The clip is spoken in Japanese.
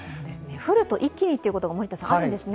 降ると一気にということがあるんですね。